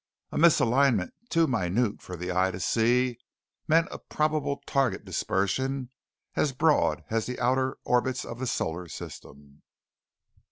A misalignment too minute for the eye to see meant a probable target dispersion as broad as the outer orbits of the solar system.